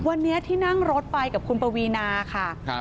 วันนี้ที่นั่งรถไปกับคุณปวีนาค่ะ